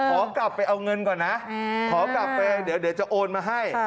ขอกลับไปเอาเงินก่อนนะขอกลับไปเดี๋ยวจะโอนมาให้